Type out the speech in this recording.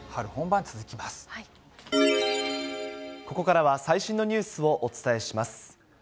ここからは最新のニュースをお伝えします。